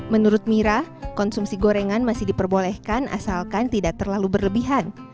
menurut mira konsumsi gorengan masih diperbolehkan asalkan tidak terlalu berlebihan